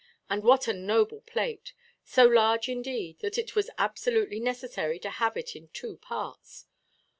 And what a noble plate! So large, indeed, that it was absolutely necessary to have it in two parts.